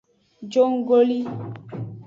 Jonggoli.